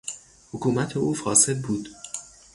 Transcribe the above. حکومت او فاسد بود.